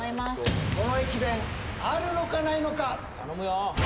この駅弁あるのかないのか・頼むよ